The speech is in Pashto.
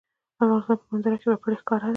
د افغانستان په منظره کې وګړي ښکاره ده.